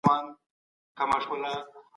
په هر کار کي منځلاري غوره ده.